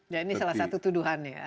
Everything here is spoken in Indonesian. ya ini salah satu tuduhan ya